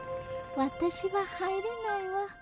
私は入れないわ。